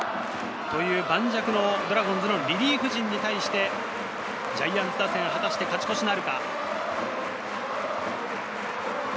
盤石のドラゴンズのリリーフ陣に対してジャイアンツ打線は勝ち越しなるか。